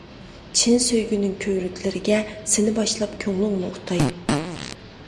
چىن سۆيگۈنىڭ كۆۋرۈكلىرىگە، سىنى باشلاپ كۆڭلۈڭنى ئۇتاي.